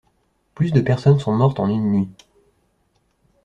Plus de personnes sont mortes en une nuit.